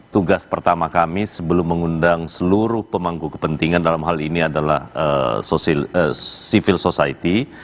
tugas pertama kami sebelum mengundang seluruh pemangku kepentingan dalam hal ini adalah civil society